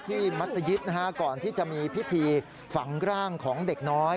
มัศยิตนะฮะก่อนที่จะมีพิธีฝังร่างของเด็กน้อย